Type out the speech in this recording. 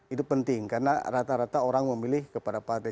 itu penting karena rata rata orang memilih kepada partai